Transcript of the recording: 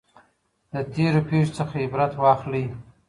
د تیرو پیښو څخه عبرت واخلئ.